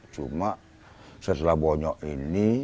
cuma setelah bonyok ini